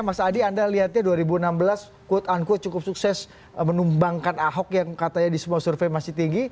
mas adi anda lihatnya dua ribu enam belas quote unquote cukup sukses menumbangkan ahok yang katanya di semua survei masih tinggi